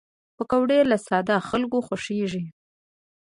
پکورې له ساده خلکو خوښېږي